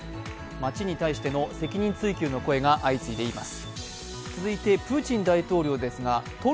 町に対しての責任追及の声が相次いでいます。